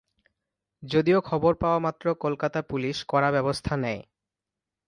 যদিও খবর পাওয়া মাত্র কলকাতা পুলিশ কড়া ব্যবস্থা নেয়।